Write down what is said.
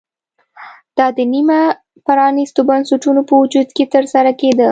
دا د نیمه پرانېستو بنسټونو په وجود کې ترسره کېده